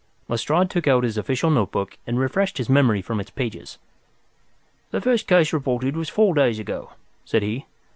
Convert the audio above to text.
Lestrade took out his official notebook and refreshed his memory from its pages. "The first case reported was four days ago," said he.